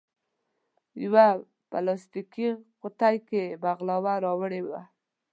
یوه پلاستیکي قوتۍ کې بغلاوه راوړې وه.